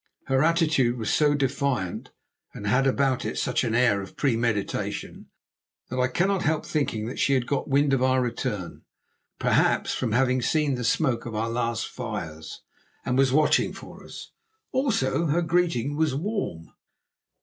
Her attitude was so defiant, and had about it such an air of premeditation, that I cannot help thinking she had got wind of our return, perhaps from having seen the smoke of our last fires, and was watching for us. Also, her greeting was warm.